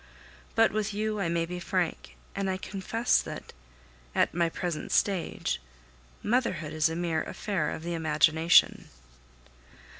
But with you I may be frank; and I confess that, at my present stage, motherhood is a mere affair of the imagination.